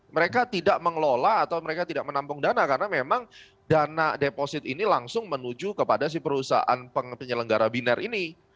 mereka tidak mengelola atau mereka tidak menampung dana karena memang dana deposit ini langsung menuju kepada si perusahaan penyelenggara binar ini